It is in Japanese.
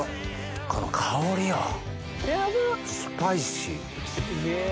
この香りよスパイシー！